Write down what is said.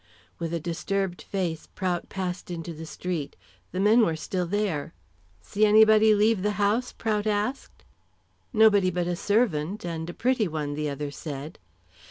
With a disturbed face Prout passed into the street. The men were still there. "See anybody leave the house?" Prout asked. "Nobody but a servant, and a pretty one," the other said.